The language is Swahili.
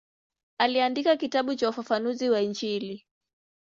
Aliandika kitabu cha ufafanuzi wa Injili.